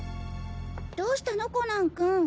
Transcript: どうしたのコナン君。